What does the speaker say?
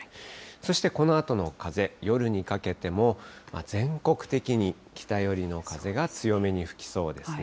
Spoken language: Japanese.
そしてこのあとの風、夜にかけても、全国的に北寄りの風が強めに吹きそうですね。